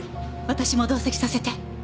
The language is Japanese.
私も同席させて。